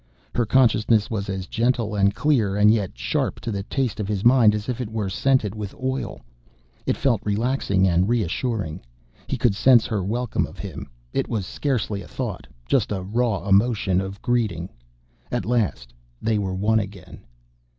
Her consciousness was as gentle and clear and yet sharp to the taste of his mind as if it were scented oil. It felt relaxing and reassuring. He could sense her welcome of him. It was scarcely a thought, just a raw emotion of greeting. At last they were one again.